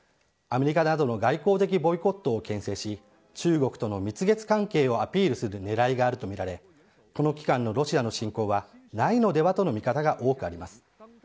アメリカなどの外交的ボイコットをけん制し、中国との蜜月関係をアピールするねらいがあると見られ、この期間のロシアの侵攻はないのではとの見方が多くあります。